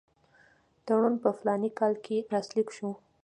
تړون په فلاني کال کې لاسلیک شو.